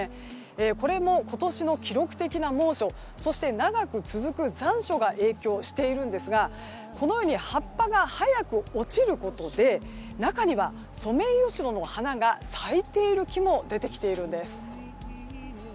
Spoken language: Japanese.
これも今年の記録的な猛暑そして長く続く残暑が影響しているんですがこのように葉っぱが早く落ちることで中にはソメイヨシノの花が咲いている木も出てきているんです。